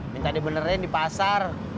minta dibenerin di pasar